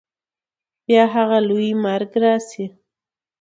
بیا هغه لوی مرګ راسي